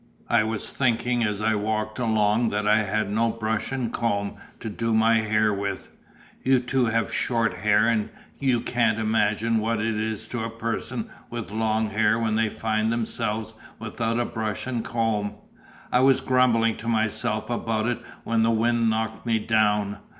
I was thinking as I walked along that I had no brush and comb to do my hair with, you two have short hair and you can't imagine what it is to a person with long hair when they find themselves without a brush and comb. I was grumbling to myself about it when the wind knocked me down.